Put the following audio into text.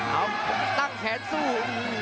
เอาตั้งแขนสู้